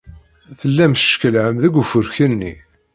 Tellam teckellɛem deg ufurk-nni.